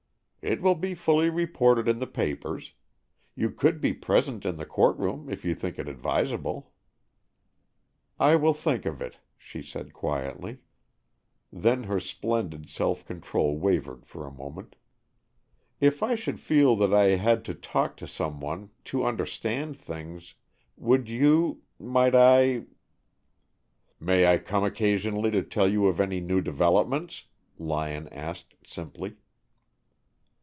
"It will be fully reported in the papers. You could be present in the court room if you think it advisable." "I will think of it," she said quietly. Then her splendid self control wavered for a moment. "If I should feel that I had to talk to some one, to understand things, would you might I " "May I come occasionally to tell you of any new developments?" Lyon asked, simply.